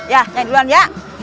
iya nyai duluan ya